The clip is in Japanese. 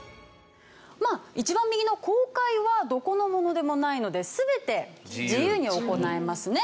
まあ一番右の公海はどこのものでもないので全て自由に行えますね。